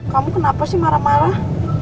kamu kenapa sih marah marah